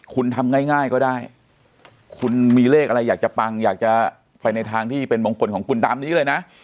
คุณทำง่ายก็ได้คุณมีเลขอะไรอยากจะปังอยากจะไปในทางที่เป็นมงคลของคุณตามนี้เลยนะ